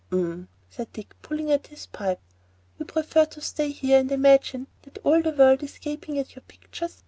"Um!" said Dick, pulling at his pipe. "You prefer to stay here and imagine that all the world is gaping at your pictures?